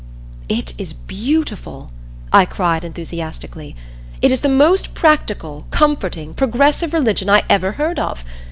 "It is beautiful!" I cried enthusiastically. "It is the most practical, comforting, progressive religion I ever heard of.